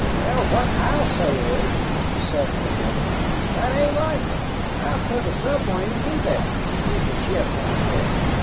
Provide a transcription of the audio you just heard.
"Well what I say is," said another, "that ain't likely. How could a submarine do that sink a ship like that?